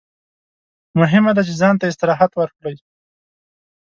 مهمه ده چې ځان ته استراحت ورکړئ.